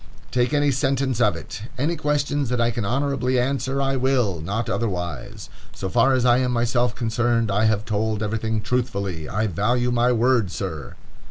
Take any sentence of it—"Any questions that I can honorably answer, I will; not otherwise. So far as I am myself concerned, I have told everything truthfully. I value my word, sir."